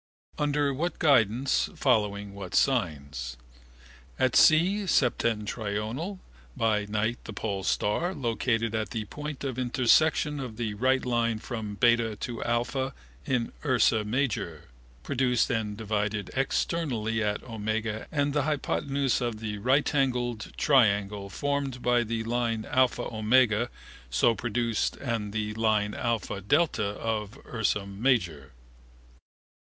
Under what guidance, following what signs? At sea, septentrional, by night the polestar, located at the point of intersection of the right line from beta to alpha in Ursa Maior produced and divided externally at omega and the hypotenuse of the rightangled triangle formed by the line alpha omega so produced and the line alpha delta of Ursa Maior.